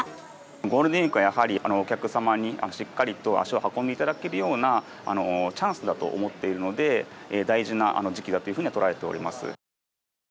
ゴールデンウィークはやはり、お客様にしっかりと足を運んでいただけるようなチャンスだと思っているので、大事な時期だというふうには捉えております。